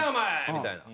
みたいな。